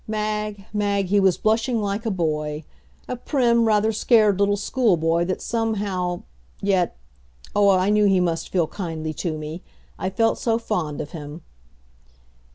Mag Mag, he was blushing like a boy, a prim, rather scared little school boy that somehow, yet oh, I knew he must feel kindly to me! I felt so fond of him.